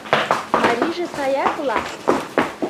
Марийже саяк-ла.